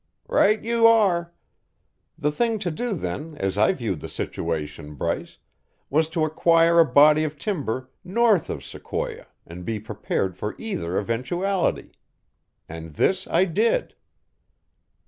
"Right you are! The thing to do, then, as I viewed the situation, Bryce, was to acquire a body of timber NORTH of Sequoia and be prepared for either eventuality. And this I did."